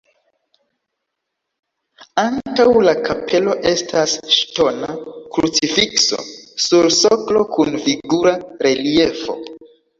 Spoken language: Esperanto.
Antaŭ la kapelo estas ŝtona krucifikso sur soklo kun figura reliefo.